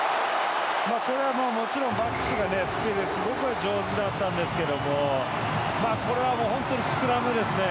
これはもちろんバックスがスチールがすごく上手だったんですけどもこれは本当にスクラムですね。